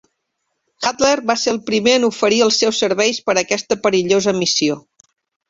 Hatler va el primer en oferir els seus serveis per a aquesta perillosa missió.